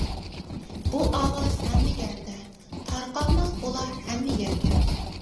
بۇ ئاۋاز ھەممە يەردە، تارقالماق بولار ھەممە يەرگە.